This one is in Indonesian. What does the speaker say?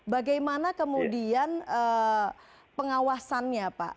bagaimana kemudian pengawasannya pak